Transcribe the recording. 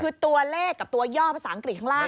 คือตัวเลขกับตัวย่อภาษาอังกฤษข้างล่าง